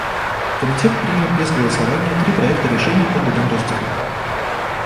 Комитет принял без голосования три проекта решений по другим разделам.